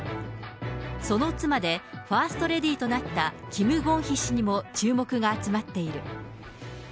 その妻で、ファーストレディーとなった、キム・ゴンヒ氏にも注目が集まっている。